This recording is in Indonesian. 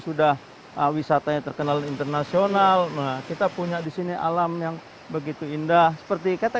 sudah wisatanya terkenal internasional nah kita punya disini alam yang begitu indah seperti kata